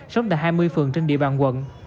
sống tại hai mươi phường trên địa bàn quận